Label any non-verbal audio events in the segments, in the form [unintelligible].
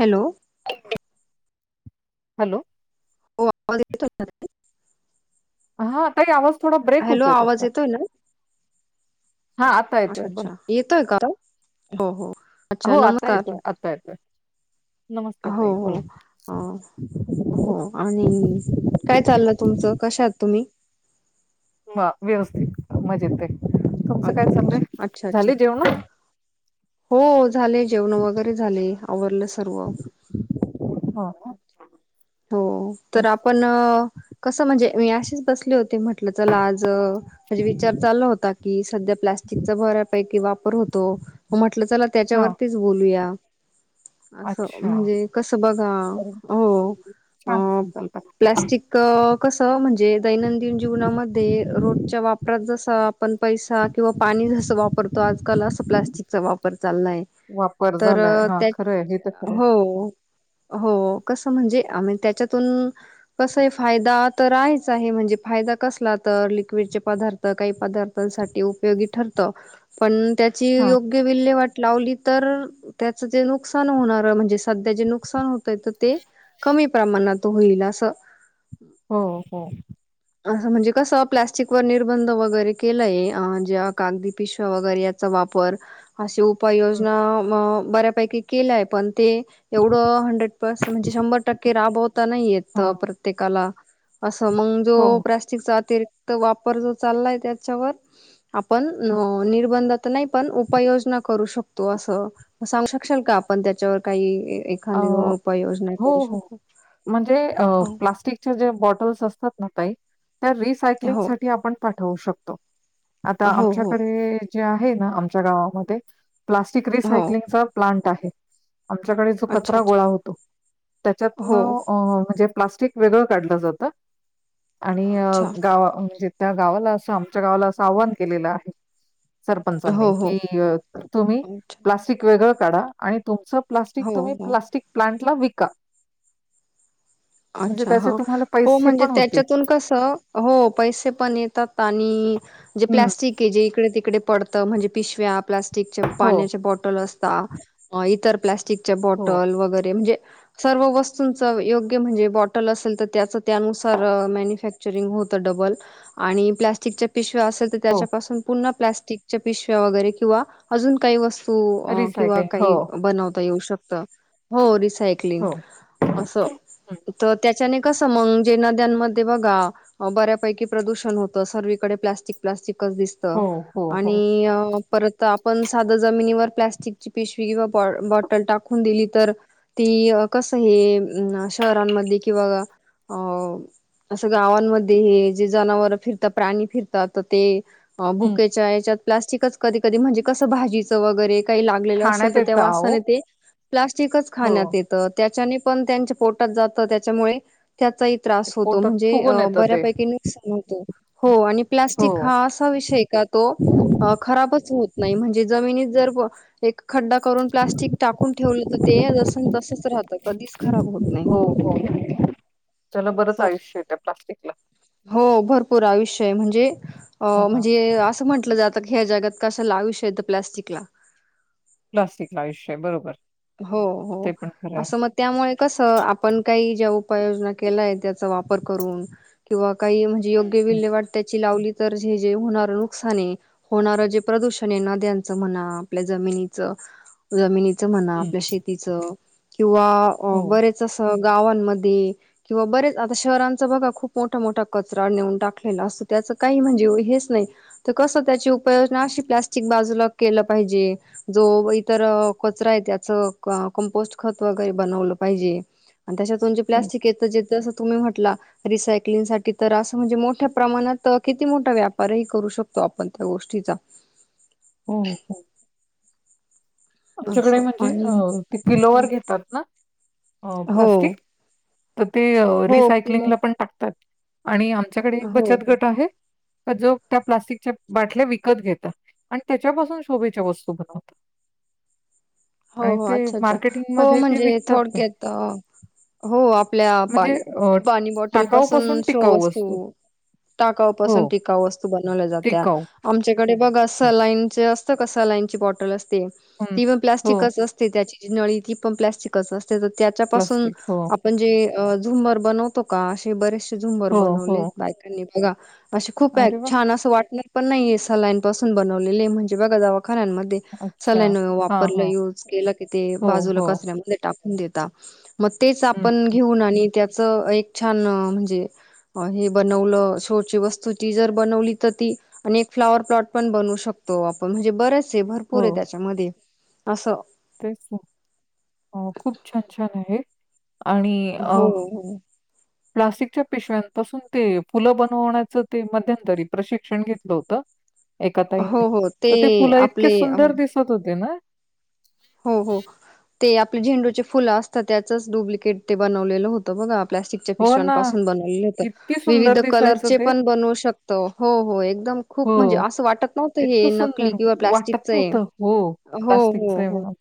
Hello. Hello. बोल आवाज येतीय का [unintelligible] हा ताई आवाज थोडा ब्रेक होतोय आवाज तुमचा. येतोय ना हा आता अच्छा येतोय [unintelligible] बोला अच्छा येतय का आवाज हो हो. अच्छा हो आता नमकार येतोय आता येतोय नमस्कार हो ताई हो बोला हो अ हो आणि काय चाललं तुमच काश्या हेत तुम्ही. हम्म वा व्यवस्थित मजेत अ- तुमचं काय चाललंय अच्छा अच्छा झाली जेवण हो झाली जेवण वगैरे झाली आवरलं सर्व हो हो तर आपण कस म्हणजे मी अशीच बसले होते म्हटलं म्हंटल चला आज म्हणजे विचार चालला होता की सध्या प्लास्टिकचा बर्यापैकीं वा पर होतो म्हटलं चला हा त्याच्यावरतीच बोलूया असं अच्छा म्हणजे कसं बघा अरे हो छान संकल्पना प्लास्टिक कसं म्हणजे दैनंदिन जीवनामध्ये रोजच्या वापरात जसं आपण पैसा किंवा पाणी जस वापरतो आजकाल अस प्लास्टिकचा वापर चाललाय वापर तर झालाय हा त्याच खरंय हे तर खरंय हो हो कस म्हणजे त्याच्यातून कस आहे फायदा तर आहेच आहे म्हणजे फायदा कसला तर लिक्विडचे पदार्थ काही पदार्थांसाठी उपयोगी ठरत पण त्याची हा योग्य विल्हेवाट लावली तर त्याच जे नुकसान होणार म्हणजे सध्या जे नुकसान होतय ते कमी प्रमाणात तो होईल असं हो हो असं म्हणजे कसं प्लॅस्टिक वर निर्बंध वगैरे केलंय जे कागदी पिशव्या वगैरे याचा वापर असे हं, उपायोजना म बऱ्यापैकी केलंय पण ते एवढं हंड्रेड परसेन्ट म्हणजे शंभर टक्के राबवता नाही येत हं. प्रत्येकाला असं मग हो जो प्लास्टिकचा अतिरे तर वापर जो चाललाय त्याच्यावर आपण हं. नो निर्बंध नाही पण उपाययोजना करू शकतो अस सांगू शकशिल का आपण त्याच्यावर काही अ एखादी दोन उपाययोजना हो करू हो शकतो म्हणजे अ प्लास्टिकच्या जे बॉटल्स असतात ना ताई त्या रिसायकलिंग हो साठी आपण पाठवू शकतो आता हो हो आमच्याकडे जे हे ना आमच्या गावामध्ये प्लास्टिक हो रिसायक्लिंगचा प्लांट आ आच्या अच्छा कचरा अच्छा गोळा होतो त्याच्यात हो न अ म्हणजे प्लास्टिक् वेगळ काढल जात आणि अ अच्छा गावा अ त्या गावाला अस आमच्या गावाला असं आव्हान केलेल आहे सरपंचांनी हो हो कि अ तुम्ही अच्छा प्लास्टिक वेग ताडा आणि तुमचं पृ हो [inaudible] तुम्ही हो प्लास्टिक प्लांटला का अच्छा हो हो म्हणजे पण होतील. त्याच्यातून कस हो पैसे पण येतात आणि नी मजे हम्म. प्लस्टिके जे इकडे ईकडे पडत म्हणजे पिशव्या् तिच्ये हो, पाण्याचे बॉटल अस चा अ इतर प्ल्या चि च्या हो, बॉटल वगैरे म् [inaudible] सर्व वस्तूंच वै म्हणजे बॉटल असेल तर त्याच त्यानुसार मानिफाकचुरिंग होत डबल आणि प्लॅस्टिक च्या पिशव्या असेल तर हो. त्याच्यापासून पुन्हा प्लास्टिकच्या पिशव्या वगैरे किंवा अजून काही वस्त तू किंवा रिसायकलिंग हो, काही बनवता येऊ शक ता हो रिसायक्लिंग हो. असं. हं. त्याच्याने कस मग जे नद्यांमध्ये बघा बऱ्यापैकी प्रदूषण होत. सगळीकडे प्लास्टिक प्लास्टिक कसं दिसत हो, हो, हो. आणि परत आपण साध जमिनीवर प्स्टिकची पिशवी किवा बॉटल टाकून दिली तर ती कस हे अ अस शहरांमध्ये किंवा अ असं गावांमध्ये हे जे जनावर फिरतात प्राणी फिरतात तर ते, हं. भुकेच्या याच्यात प्लास्टिक कधी कधी म्हणजे कसं भाजीचं वगैरे का ला खाण्यात असल येतं अहो. प् ख हो. येत त्या पण त्यांचे पोट जात त्याच्यामुळे त्याचाही ते त्रास होतो पोटात म्हणजे फुगून येतं ते. बऱ्यापैकी नुकसान होतो हो आणि हो, प्लास्टिक हा असा विषय का तो खराबच होत नाही म्हणजे जमनी जर एक खड्डा करून प्लास्टिक टाकून ठेवलं तर ते जस तसच राहतं कधीच खराब होत नाही हो, हो. त्याला बरंच आयुष्य आहे त्या प्लास्टिकला. हो भरपूर आयुष्य म्हणजे अ हो ना. म्हणजे असं म्हटलं जात ह्या जगात कस लावू श यत प्लास्टिकला क्लासिकला विषय बरोबर हो हो ते पण खरं आहे. असं मग त्यामुळे कस आपण काही ज्या उपाययोजना केलाय त्याचा वापर करून किंवा काही म्हणजे हं, योग्य हं, विल्हेवाट वाट त्याची लावली. तर जे जे होणार नुकसान आहे होणारं जे प्रदूषण आहे नद्यांच म्हणा आपल्या जमिनीच जमिनीच म्हणा हं. आपल्या शेतीचं किंवा हो, बरेच असं गावांमध्ये किंवा बरेच आता शहरांचा बघा खूप मोठा मोठा कचरा नेऊन टाकलेला असतो. त्याच काही म्हणजे हेच नाही तर कस त्याची उपयोजना अशी प्लस्टिक बाजूला केलं पाहिजे. जो इतर कचरा आहे त्या कमपोस्ट खत वगैरे बनवलं पाहिजे. आणि त्याच्यातून जे हो, प्लास्टिक येत जे तस तुम्ही म्हटला रिसायकलिंग साठी तर असं म्हणजे मोठ्या प्रमाणात किती मोठा व्यापारही करू शकतो आपण त्या गोष्टीचा. हो हो आमच्याकडे असं म्हणजे आणि ते किलोवर घेतात ना हो प्लास्टिक. तर ते हो किलो रिसायकलिंगला पण टाकतात. आणि आम आमच्याकडे एक हो बचत हो गट आहे. जो त्या प्लास्टिकच्या बाटल्या विकत घेता. आणि त्याच्यापासून शोभेच्या वस्तू बनवतात. हो आणि हो ते अच्छा अच्छा हो मार्केटिंगमध्ये ते म्हणजे विकतात पण. थोडक्यात हो आपल्या म्हणजे पाणी अ, पाणी बॉटल पासून टाकाऊपासून शो टिकाऊ वस्तू हो, टाकावपासून टिकावू वस्तू बनवल्या जात्या टिकाऊ. आमच्या कडे बघा हं. लाईनचे अस क लाईनची बॉटल अस ते हं. ती पण प्लास् हो, चिकच असते त्याची नळी ती पण प्लास्टिकच असते. त्याच्या पाासून प्लास्टिक. हो, आपण जे झुमर बनवतो का असे बरेचसे झुंबर हो, हो. बनवलेत बायकांनी. [unintelligible] असे खूप आहेत अरे वाह! छान असं वाटणार पण नाही हे सलाईन पासून बनवलेली आहे म्हणजे बघा दवा खान्यान मध्ये अच्छा. सलाईन वापर हां, पण हां. युज केलं कि ते हो, बाजूला हो. कचरामध्ये टाक देेता मग तेच हं, आपण हं. घेऊन आणि त्याचं एक छान म्हणजे हे बनवलं शोची वस्तू ती जर बनवली, तर ती आणि एक फ्लावर प्लॉट पण बनू शकतो आपण. म्हणजे बऱ्याच ते भरपूर हो, आहे त्याच्यामध्ये आसं तेच ना. अ खूप छान छान आहे. आणि अ हो हो प्लास्टिकच्या पिशव्यांपासून ते फुलं बनवण्याचं ते मध्यंतरी प्रशिक्षण घेतलं होतं. एका हो ताईंनी हो ते तर ती फुलं इतकी आपले अ, सुंदर दिसत होती ना. हो हो ते आपले झेंडूचे फुलं असतात त्याचं च डुप्लिकेट ते बनवलेलं होतं बघा. प्लॅस्टिकच्या हो ना. पिशव्यांपासून बनवलेलं होत किती विविध सुंदर दिसायचं कलरचे ते. पण बनवू शकतो हो हो एकदम खूप हो. म्हणजे असं वाटत नव्हतं हे इतकं नकली सुंदर किंवा वाटत प्लास्टिकच आहे नव्हतं. हो, हो हो प्लास्टिकचं आहे हो. म्हणून.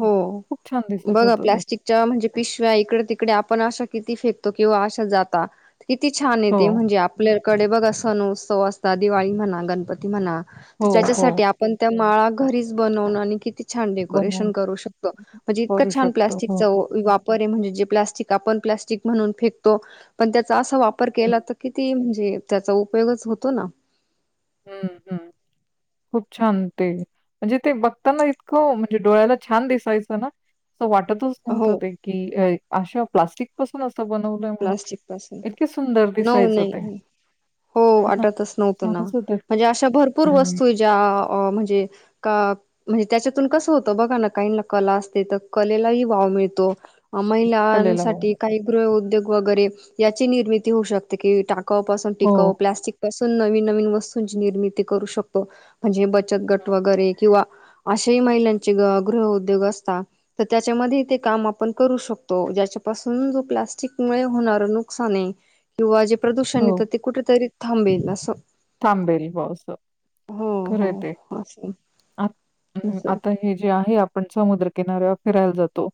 हो खूप छान दिसत बघा होतं ते. प्लॅस्टिकच्या म्हणजे पिशव्या इकडे तिकडे आपण अशा किती फेकतो किंवा अशा जाता किती छान हो, येते म्हणजे आपल्या कडे बघा सण उत्सव असतात दिवाळी म्हणा गणपती म्हणा तर हो, हो. त्याच्यासाठी आपण त्या माळा घरीच बनवून आणि किती छान डेको बनवून डेकरोशन करू शकतो म्हंजे इतकं करू छान शकतो. प्लास्टिक हो. चा वा वापर परे म्हणजे जे प्लास्टिक आपण प्लास्टिक म्हणून फेकतो. चा असा वापर हं, केला तर किती म्हणजे त्याचा उपयोगच होतो न. हम्म हम्म. खूप छान ते म्हणजे ते बघताना इतकं म्हणजे डोळ्याला छान दिसायचं ना. असं वाटतचं हो नव्हत ते की अशा प्लास्टिक तसंच असतं. प्लास्टिक पासून नो दिसायचं ते. नही हो वाटतंच नव्हतं ना छानच होतं. अशा भरपूर हं, वस्तू ज्या म्हणजे का त्याच्यातून कसं होतं बघा ना काही कला असते तर कलेलाही भाव मिळतो. कलेला वाव महिलांसाठी होता. काही गृह उद्योग वगैरे याची निर्मिती होऊ शकते कि टा टाकाऊ पासून हो, टिकाऊ प्लास्टिक पासून नन नवीन वस्तूंची निर्मिती करू शकतो म्हणज बचत गट वगैरे किंवा अशे महिलांचे गृह उ्योग असत त्याच्यामध्ये ते काम आपण करू शकतो ज्याच्या पासून जो प्लास्टिक त्यामुळे होणार नुकसान आहे किंवा ज प्रदूषण येतं ते कुठेतरी थांबेला अस. तांबेरी पावस खरं ते हो असं आ असं आता हे जे आहे. आपण समुद्रकिनाऱ्यावर फिरायला जातो.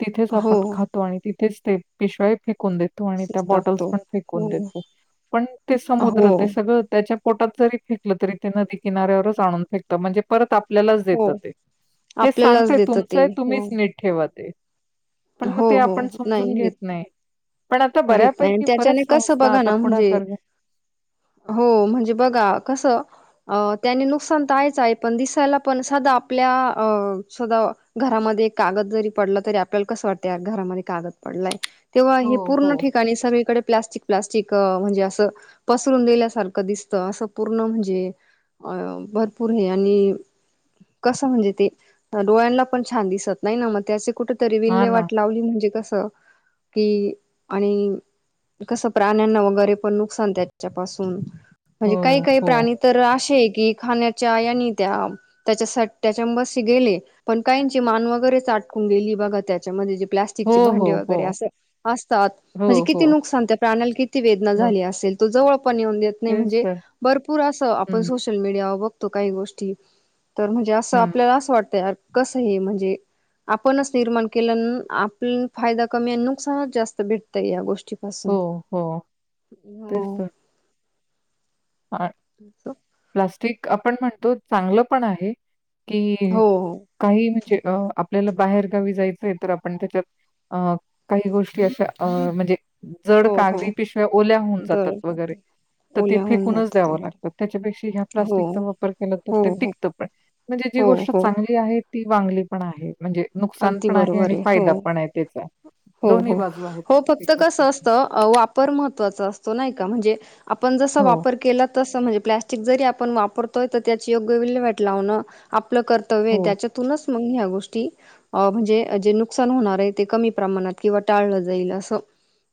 तिथेच हो आपण खातो आणि तिथ. तेच ते पिशव्या हि फे फेकून देतो आणि त्या तसच बॉटल्स टाकतो पण फेकून हो देतो पण ते हो समुद्र ते सगळं पोटात जरी फेकलं तरी ते नदी किऱ्यावरच आण फेकत म्हणजे परत आपल्यालाच देत हो ते ते आपल्यालाच सांगते देतं ते तुमचंय हो तुम्हीच नीट ठेवा ते पण मग हो ते हो आपण नाही समजून घेत नाही पण आता घेत नाही आणि बऱ्यापैकी परत त्याच्याने कसं संस्था बघा आता ना म्हणजे पुढाकार घेतात. हो म्हणजे बघा कस त्याने नुकसान तर आहेयचं आहे पण दिसायला पण साध आपल्या साध घरामध्ये कागद जरी पडलं तरी आपल्याला कसं वाटतं या घरामध्ये कागद पडलाय तेव्हा हो, हे पूर्ण हो. ठिकाणी सगळीकडे प्लास्टिक प्लास्टी च म्हणजे अस पसरून दिल्यासारखं दिसत असं पूर्ण म्हणजे अ भरपूर हे आणि कसं म्हणजे ते डोळ्यांना पण छान दिसत नाही ना मग ते अस कूट त तरी हां ना. विल्हेवाट लावली म्हणजे कस त कि आणि कसं प्राण्यांना वगैरे पण नुकसान त त्यांच्या पासून हो, म्हणजे काही काही हो. प्राणी तर असे आहेत. कि खाण्याच्या आणि त्या त्याच्या सट्ट्याच्या बस गेले पण काहीची मान वगैरेच आटकून गेल. बघा त्याच्यामध्ये जे हो, प्लस्टिकचे हो, भांडे हो. वगैरे अस असतात म्हणजे हो, हो. किती नुकसान त्या प्राण्याला किती वेदना हो. झाली असेल तो जवळ पण येऊन देत नाही तेच म्हणजे तर. भरपूर असं आपण हं, सोशल मीडिया बग तो काही गोष्टी तर म्हणजे असं हं. आपल्याला असं वाटतय. कस आहे म्हणजे आपणच निर्माण केल्यान आपल्या फायदा कमी आणि नुकसानच जास्त भेटत या गोष्टी हो हो हो तेच तर. हा प्लास्ट ठीक आपण म्हणतो चांगलं पण आहे. हो कि हो काही म्हणजे अ आपल्याला बाहेरगावी जायचंय तर आपण त्याच्यात अ काही गोष्टी अशा अ म्हणजे जड हो हो कागदी पिशव्या ओल्या होऊन दळ जातात वगैरे जाते तर ती ओल्या होऊन फेकूनच जातात द्यावं वगैरे लागतात त्याच्यापेक्षा ह्या हो प्लास्टिकचा वापर केला हो ते हो टिकतं पण म्हणजे जी हो गोष्ट हो चांगली आहे. ती वांगली पण आहे. म्हणजे नुकसान अगदी पण बरोबर आणि आहे हो फायदा पण आहे त्याचा. हो दोन्ही हो बाजू आहेत हो फक्त प्रत्येक कसं गोष्टीची. असतं वापर महत्वाचा असतो नाही. का म्हणजे आपण जस हो, वापर केला तसं म्हणजे प्लॅस्टिक जरी आपण वापरतोय तर त्याची योग्य विल्हेवाट लावणं आपलं कर्तव्य आहे हो. त्याच्यातूनच मग ह्या गोष्टी अ म्हणजे जे नुकसान होणार आहे ते कमी प्रमाणात किंवा टाळलं जाईल असं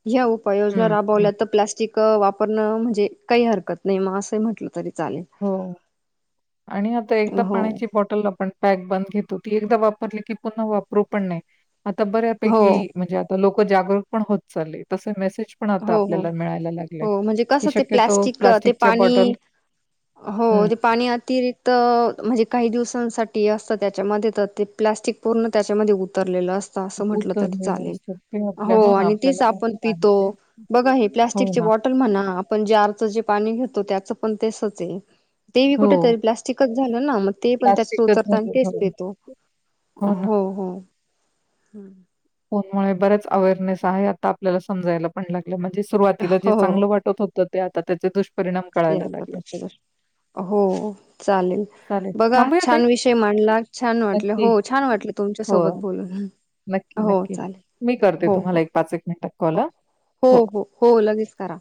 ह्या उपाययोजना हं, हं. राबवल्या तर प्लॅस्टिक क-वापरणं म्हणजे, काही हरकत नाही, मं असंही म्हटलं तरी चालेल हो, आणि आता एकदा हो पाण्याची बॉटल आपण पॅक बंद घेतो ती एकदा वाप वापरली की, पुन्हा वापरू पण नाही. आता हो बऱ्यापैकी, म्हणजे आता लोक जागरूक पण होत चाललेत, तसं मेसेज पण आता हो हो आपल्याला मिळायला लागलंय, हो म्हणजे की कसं ते शक्यतो प्लॅस्टिक ते प्लॅस्टिकच्या पाणी बॉटल हो, हं, ते पाणी अतिरिक्त म्हणजे काही दिवसांसाठी असतं, त्याच्यामध्ये तर ते प्लास्टिक पूर्ण त्याच्यामध्ये उतरलेलं असतं. असं म्हटलं उत्तर तरी दिलं चालेल असत, ते आपल्या, हो ना आणि तेच आपल्याला आपण [inaudible] आहे पितो ते बघा, हे प्लास्टिक हो चे ना. बॉटल म्हणा, आपण जारचं जे पाणी घेतो, त्याच पण तसंच आहे. तेही हो, कुठेतरी प्लास्टिकच झालं ना? मग ते पण त्याच्यात प्लास्टिकच उतरतं आणि झालं. तेच हो, पितो... हो ना. हो-हो. [inaudible] फोनमुळे बरेच अवेअरनेस आहे आता, आपल्याला समजायला पण लाग म्हणजे, सुरुवातीला जे चांगलं वाटत होतं. ते आता त्याचे दूष ते आता [inaudible] हो, चालेल. चालेल बघा, थांबूया ताई? छान विषय मांडला, छान वाटले, नक्की. हो, छान वाटलं तुमच्या हो. सोबत बोलून! नक्की, हो, नक्की. चालेल. मी करते हो तुम्हाला हो, एक एक मिनिटात कॉल हां. हो हो, हो लगेच करा.